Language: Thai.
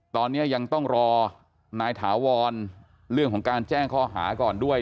ตอนนี้ยังต้องรอนายถาวรเรื่องของการแจ้งข้อหาก่อนด้วย